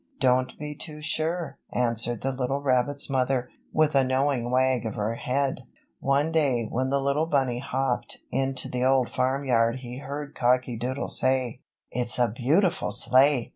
"Don't be too sure," answered the little rabbit's mother, with a knowing wag of her head. One day when the little bunny hopped into the Old Farm Yard he heard Cocky Doodle say: "It's a beautiful sleigh!"